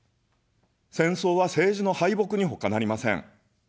戦争は政治の敗北にほかなりません。